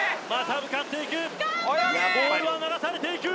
ボールは流されていく